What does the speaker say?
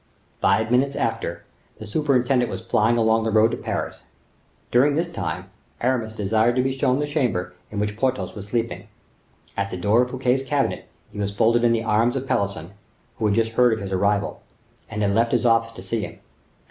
Five minutes after, the superintendent was flying along the road to Paris. During this time, Aramis desired to be shown the chamber in which Porthos was sleeping. At the door of Fouquet's cabinet he was folded in the arms of Pelisson, who had just heard of his arrival, and had left his office to see him.